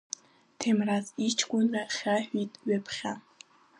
Ҭемраз иҷкәынра хьаҳәит ҩаԥхьа.